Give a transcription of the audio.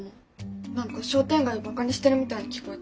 何か商店街をバカにしてるみたいに聞こえた。